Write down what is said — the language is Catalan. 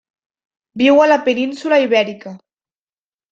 Viu a la península Ibèrica.